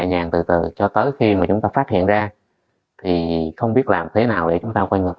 nhàn từ cho tới khi mà chúng ta phát hiện ra thì không biết làm thế nào để chúng ta quay ngược